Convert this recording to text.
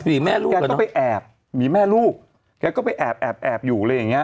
หมีแม่ลูกกันเนอะแกก็ไปแอบหมีแม่ลูกแกก็ไปแอบอยู่เลยอย่างนี้